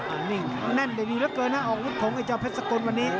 อันนี้แน่นแบบนี้เยอะเกินนะออกหุบผงไอ้เจ้าเพชรสกนวันนี้